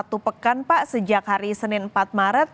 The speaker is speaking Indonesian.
satu pekan pak sejak hari senin empat maret